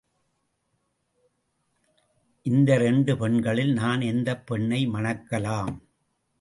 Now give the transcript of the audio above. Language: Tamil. இந்த இரண்டு பெண்களில் நான் எந்தப் பெண்ணை மணக்கலாம்?